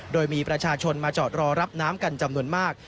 โดยมีประชาชนมาจอดรอรับน้ำกันจำนวนมาก